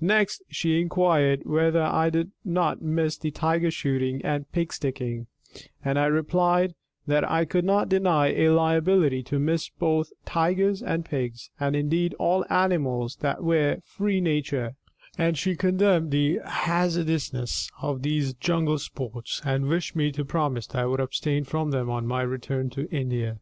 Next she inquired whether I did not miss the tiger shooting and pig sticking; and I replied (with veraciousness, since I am not the au fait in such sports) that I could not deny a liability to miss both tigers and pigs, and, indeed, all animals that were feræ naturæ, and she condemned the hazardousness of these jungle sports, and wished me to promise that I would abstain from them on my return to India.